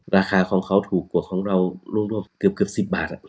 ราคาของเขาถูกกว่าของเรารวมเกือบ๑๐บาท